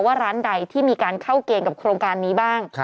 ว่าร้านใดที่มีการเข้าเกณฑ์กับโครงการนี้บ้าง